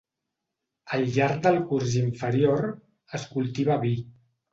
Al llarg del curs inferior, es cultiva vi.